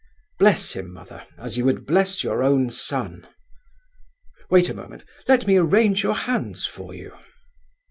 Bless him, mother, as you would bless your own son. Wait a moment, let me arrange your hands for you."